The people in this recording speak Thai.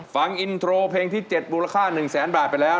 ฟังอินโทรเพลงที่๗มูลค่า๑แสนบาทไปแล้ว